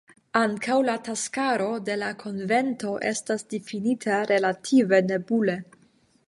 Ankaŭ la taskaro de la konvento estas difinita relative nebule.